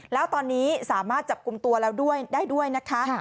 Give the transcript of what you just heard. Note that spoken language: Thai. แล้วตอนนี้สามารถจับกลุ่มตัวแล้วด้วยได้ด้วยนะคะ